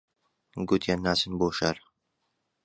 گوتیان ناچن بۆ شار